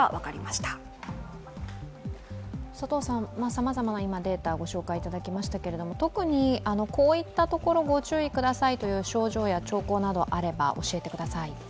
さまざまなデータをご紹介いただきましたけれども特にこういったところをご注意くださいといった症状や兆候があれば教えてください。